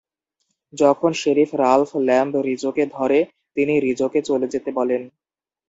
যখন sheriff Ralph Lamb রিজোকে ধরে, তিনি রিজোকে চলে যেতে বলেন।